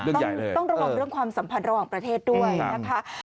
ต้องระวังเรื่องความสัมพันธ์ระหว่างประเทศด้วยนะคะ